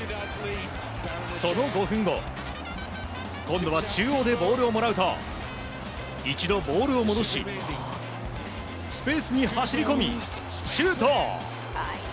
その５分後今度は中央でボールをもらうと一度、ボールを戻しスペースに走り込みシュート！